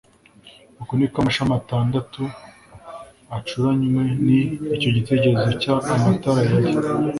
uko ni ko amashami atandatu acuranywe n icyo gitereko cy amatara yari